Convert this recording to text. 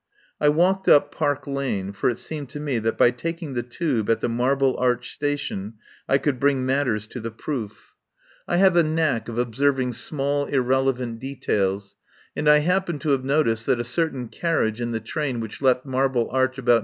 I walked up Park Lane, for it seemed to me that by taking the Tube at the Marble Arch Station I could bring matters to the proof. I 104 THE TRAIL OF THE SUPER BUTLER have a knack of observing small irrelevant details, and I happened to have noticed that a certain carriage in the train which left Mar ble Arch about 9.